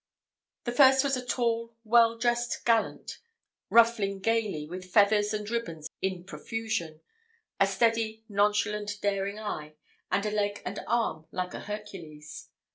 The first was a tall, well dressed gallant, ruffling gaily, with feathers and ribands in profusion, a steady nonchalant daring eye, and a leg and arm like a Hercules.